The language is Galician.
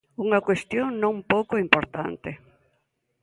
Unha cuestión non pouco importante.